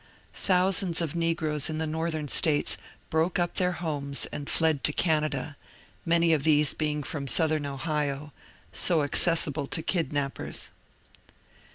Thousands of neg^roes in the northern States broke up their homes and fled to Canada, many of these being from southern Ohio, so accessible to kidnappers.